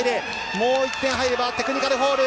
もう１点入ればテクニカルフォール。